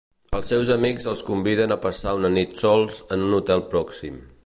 Els seus amics els conviden a passar una nit sols en un hotel pròxim.